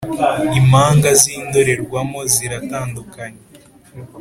impanga zindorerwamo ziratandukanye